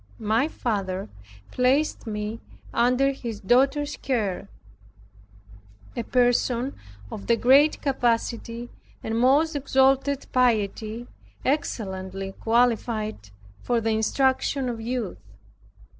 My father placed me under his daughter's care, a person of the great capacity and most exalted piety, excellently qualified for the instruction of youth.